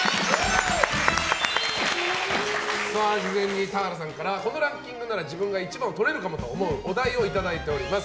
事前に田原さんからこのランキングなら自分が１番をとれるかもと思うお題をいただいております。